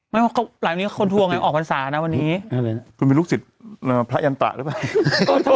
ไม่ว่าหลายวันนี้ค้นทวงไงออกศาลนะวันนี้คุณเป็นลูกศิษย์พระยันตะหรือเปล่า